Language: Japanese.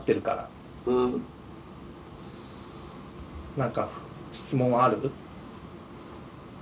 何か質問はある？